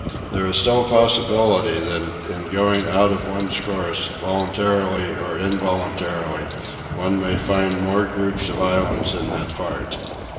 There is still a possibility that in going out of one's course, voluntarily or involuntarily, one may find more groups of islands in that part.